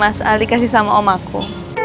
mas ali kasih sama om aku